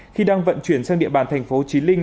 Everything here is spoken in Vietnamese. khi đang vận chuyển sang địa bàn tp chí linh